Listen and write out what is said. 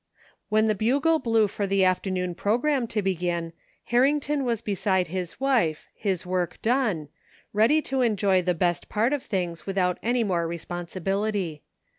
When the bugle blew for the afternoon program to begin Harrington was beside his wife, his work done, ready to enjoy the best part of things without any more responsibility.